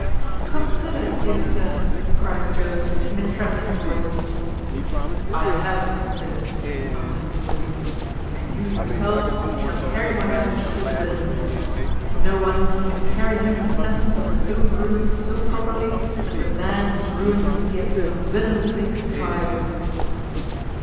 "Consider, dear sir," cries Jones, in a trembling voice. "I have considered," answered Allworthy, "and you yourself shall carry my message to the villain. No one can carry him the sentence of his own ruin so properly as the man whose ruin he hath so villanously contrived."